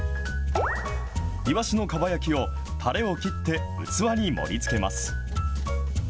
いわしのかば焼きを、たれを切って器に盛りつけます。